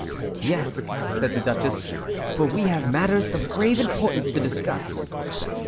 "Yes," said the duchess, "for we have matters of grave importance to discuss."